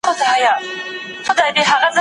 د لویې جرګي په اړه تاریخي څېړنه څوک کوي؟